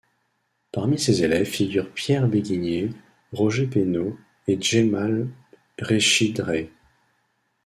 Parmi ses élèves figurent Pierre Béguigné, Roger Pénau et Djemal Rechid Rey.